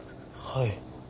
はい。